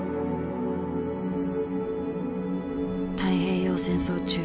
太平洋戦争中